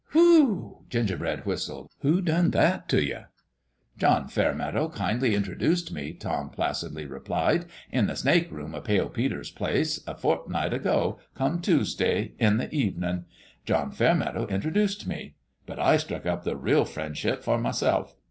"Whew!" Gingerbread whistled. "Who done that t' you ?" "John Fairmeadow kindly introduced me," Tom placidly replied, " in the snake room o' Pale Peter's place, a fortnight ago come Tuesday, in the evenin'. John Fairmeadow introduced me ; but I struck up the real friendship for myself.